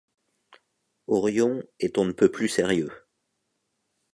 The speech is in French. Orion est on ne peut plus sérieux.